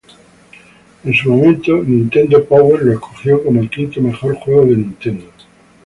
En su momento, "Nintendo Power" lo escogió como el quinto mejor juego de Nintendo.